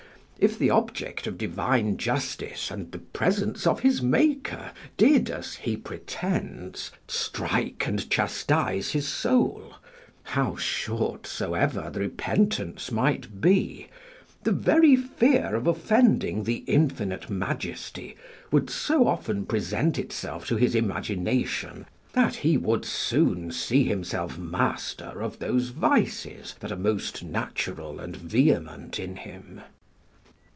If the object of divine justice and the presence of his Maker did, as he pretends, strike and chastise his soul, how short soever the repentance might be, the very fear of offending the Infinite Majesty would so often present itself to his imagination that he would soon see himself master of those vices that are most natural and vehement in him.